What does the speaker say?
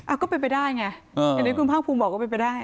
อ่าก็เป็นไปได้ไงอ่าเดี๋ยวคุณภาพภูมิบอกก็เป็นไปได้